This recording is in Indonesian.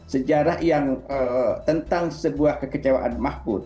sejarah yang tentang sebuah kekecewaan mahfud